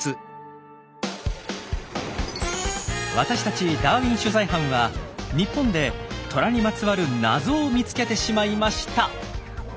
私たちダーウィン取材班は日本でトラにまつわる謎を見つけてしまいました。